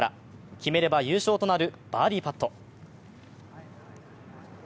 決めれば優勝となるバーディーパット。